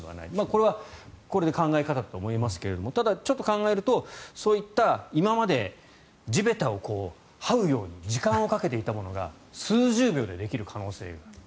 これはこれで考え方だと思いますがただ、ちょっと考えると今まで地べたをはうように時間をかけていたものが数十秒でできる可能性がある。